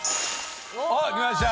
おっきました！